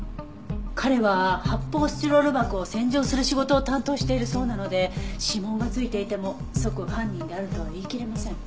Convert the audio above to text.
彼は発泡スチロール箱を洗浄する仕事を担当しているそうなので指紋が付いていても即犯人であるとは言いきれません。